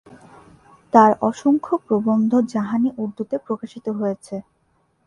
তার অসংখ্য প্রবন্ধ "জাহান-ই-উর্দুতে" প্রকাশিত হয়েছে।